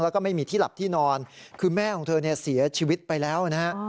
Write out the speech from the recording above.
แล้วก็ไม่มีที่หลับที่นอนคือแม่ของเธอเนี่ยเสียชีวิตไปแล้วนะฮะ